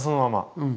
うん。